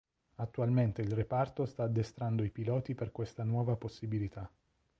Attualmente il reparto sta addestrando i piloti per questa nuova possibilità.